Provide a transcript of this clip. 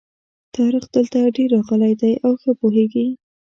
طارق دلته ډېر راغلی دی او ښه پوهېږي.